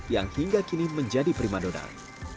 yang hingga kini menjadi prima donai